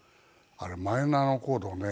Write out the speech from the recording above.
あれマイナーのコードをね